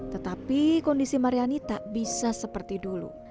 tetapi kondisi maryani tak bisa seperti dulu